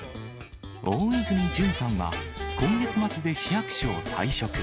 大泉潤さんは、今月末で市役所を退職。